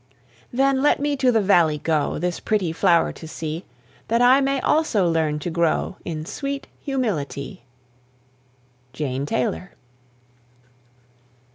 Then let me to the valley go, This pretty flower to see; That I may also learn to grow In sweet humility. JANE TAYLOR.